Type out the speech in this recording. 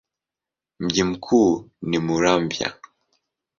Mji mkuu ni Muramvya.